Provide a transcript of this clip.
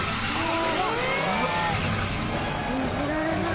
信じられない。